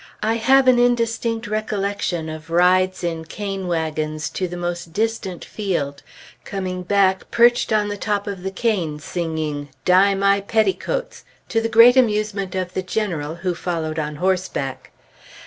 I have an indistinct recollection of rides in cane wagons to the most distant field, coming back perched on the top of the cane singing, "Dye my petticoats," to the great amusement of the General who followed on horseback.